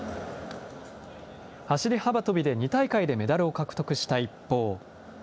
走り幅跳びで２大会でメダルを獲得した一方。